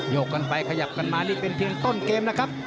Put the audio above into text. กกันไปขยับกันมานี่เป็นเพียงต้นเกมนะครับ